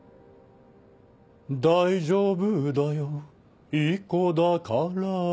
「大丈夫だよいい子だから」